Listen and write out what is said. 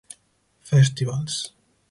Festivals.